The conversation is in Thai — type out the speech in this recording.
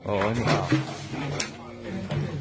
โอ้ไม่รู้